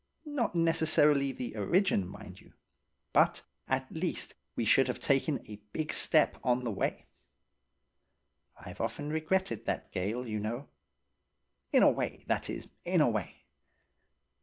Not necessarily the origin, mind you; but, at least, we should have taken a big step on the way. I've often regretted that gale, you know–in a way, that is, in a way.